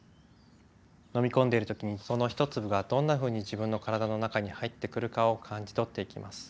飲み込んでる時にその一粒がどんなふうに自分の体の中に入ってくるかを感じ取っていきます。